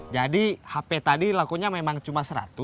jadi hp tadi lakunya memang cuma seratus